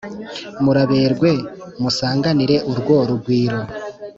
Muraberwe, musanganire urwo rugwiro